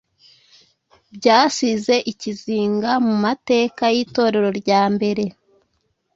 byasize ikizinga mu mateka y’Itorero rya mbere.